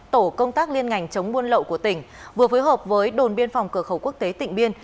tổ công tác liên ngành chống buôn lậu của tỉnh vừa phối hợp với đồn biên phòng cửa khẩu quốc tế tỉnh biên